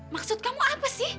maksud kamu apa sih